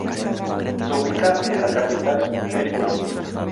Se ubica en la capital, Trípoli.